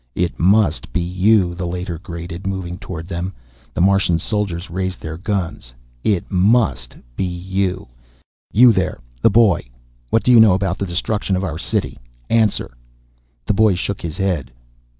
"It must be you," the Leiter grated, moving toward them. The Martian soldiers raised their guns. "It must be you. You there, the boy. What do you know about the destruction of our city? Answer!" The boy shook his head.